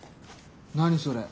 何それ？